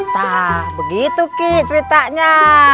tah begitu kik ceritanya